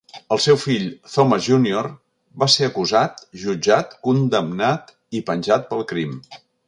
El seu fill Thomas Junior va ser acusat, jutjat, condemnat i penjat pel crim.